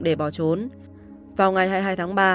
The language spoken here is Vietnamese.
để bỏ trốn vào ngày hai mươi hai tháng ba